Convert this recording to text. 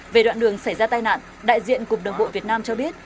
về đoạn đường xảy ra tai nạn đại diện cục đường bộ việt nam cho biết